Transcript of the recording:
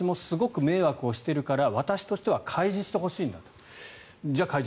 私もすごく迷惑しているから私としては開示してほしい。